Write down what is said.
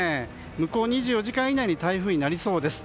向こう２４時間以内に台風になりそうです。